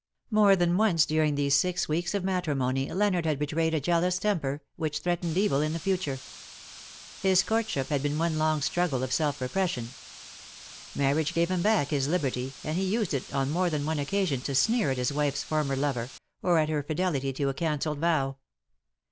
More than once during these six weeks of matri mony Leonard had betrayed a jealous temper, which threatened evil in the future. His courtship had been one long struggle at self repression. Marriage gave him back his liberty^ and he used it on more than one occasion to sneer at his wife^s former lover_, or at her fidelity to a cancelled vow.